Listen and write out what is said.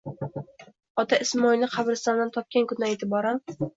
Otasi Ismoilni qabristondan topgan kundan e'tiboran